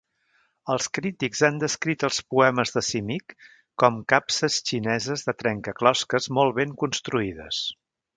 Els crítics han descrit els poemes de Simic com "capses xineses de trencaclosques molt ben construïdes".